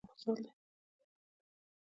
ځنګلونه د افغانستان د جغرافیوي تنوع مثال دی.